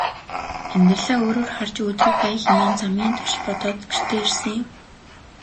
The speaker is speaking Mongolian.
Амьдралаа өөрөөр харж өөдрөг байя хэмээн замын турш бодоод гэртээ ирсэн юм.